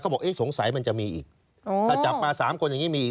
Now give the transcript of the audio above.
เขาบอกเอ๊ะสงสัยมันจะมีอีกอ๋อถ้าจับมาสามคนอย่างงี้มีอีก